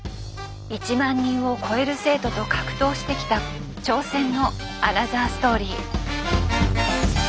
１万人を超える生徒と格闘してきた挑戦のアナザーストーリー。